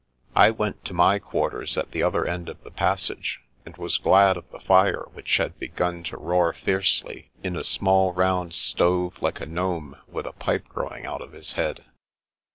I went to my quarters at the other end of the pas sage, and was glad of the fire which had begun to roar fiercely in a small round stove, like a gnome with a pipe growing out of his head.